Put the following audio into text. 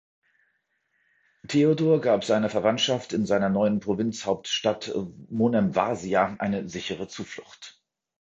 Theodor gab seiner Verwandtschaft in seiner neuen Provinzhauptstadt Monemvasia eine sichere Zuflucht.